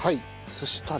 そしたら？